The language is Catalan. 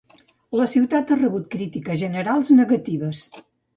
La ciutat ha rebut critiques generals negatives.